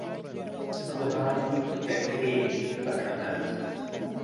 کوڕان دەگرێ بە کەمەند